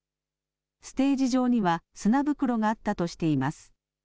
ステージ上には砂袋があったとしています。